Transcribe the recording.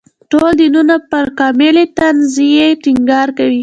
ټول دینونه پر کاملې تنزیې ټینګار کوي.